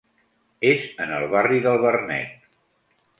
És en el barri del Vernet.